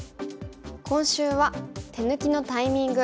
今週は「手抜きのタイミング」。